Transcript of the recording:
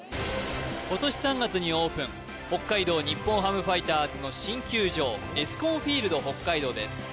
今年３月にオープン北海道日本ハムファイターズの新球場エスコンフィールドＨＯＫＫＡＩＤＯです